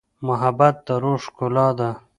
محبت د روح ښکلا ده.